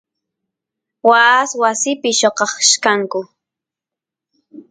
waas wasipi lloqachkanku